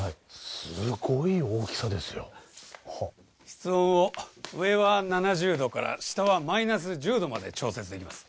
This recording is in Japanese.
すごい大きさですよはあ室温を上は７０度から下はマイナス１０度まで調節できます